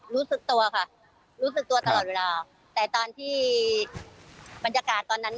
รู้สึกตัวค่ะรู้สึกตัวตลอดเวลาแต่ตอนที่บรรยากาศตอนนั้น